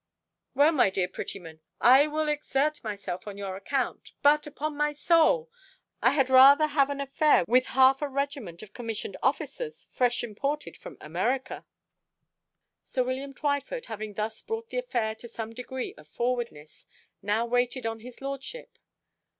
"Well my dear Prettyman, I will exert myself on your account; but, upon my soul, I had rather have an affair with half a regiment of commissioned officers fresh imported from America." Sir William Twyford, having thus brought the affair to some degree of forwardness, now waited on his lordship.